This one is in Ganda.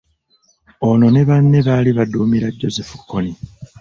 Ono ne banne baali baduumira Joseph Kony.